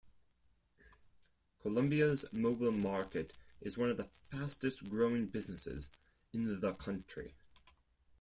Colombia's mobile market is one of the fastest-growing businesses in the country.